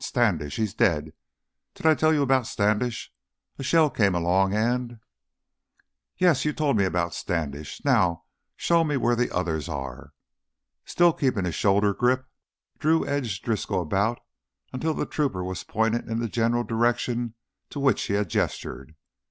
"Standish, he's dead. Did I tell you about Standish? A shell came along and " "Yes, you told me about Standish. Now show me where the others are!" Still keeping his shoulder grip, Drew edged Driscoll about until the trooper was pointed in the general direction to which he had gestured.